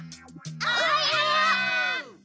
おはよう！